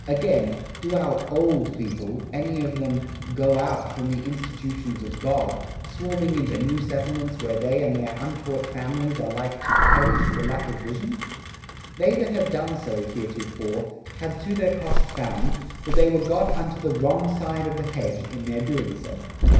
... Again, Do our Old People, any of them Go Out from the Institutions of God, Swarming into New Settlements, where they and their Untaught Families are like to Perish for Lack of Vision? They that have done so, heretofore, have to their Cost found, that they were got unto the Wrong side of the Hedge, in their doing so.